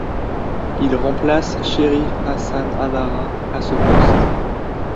Il remplace Sherif Hassan Haddara à ce poste.